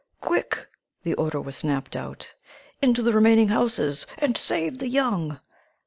"Quick!" the order was snapped out. "Into the remaining houses, and save the young!"